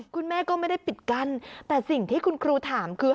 คุณแม่ก็ไม่ได้ปิดกั้นแต่สิ่งที่คุณครูถามคือ